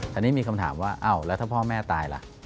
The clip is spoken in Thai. แต่นี่มีคำถามว่าอ้าวแล้วถ้าพ่อแม่ตายล่ะ